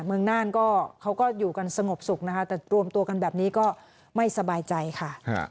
เมืองน่านก็เขาก็อยู่กันสงบสุขนะคะแต่รวมตัวกันแบบนี้ก็ไม่สบายใจค่ะ